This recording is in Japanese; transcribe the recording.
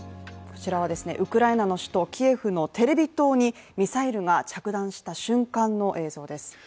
こちらはウクライナの首都キエフのテレビ塔にミサイルが着弾した瞬間の映像です。